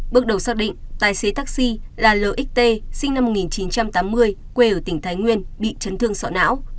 bước đầu xác định tài xế taxi là lc sinh năm một nghìn chín trăm tám mươi quê ở tỉnh thái nguyên bị chấn thương sọ não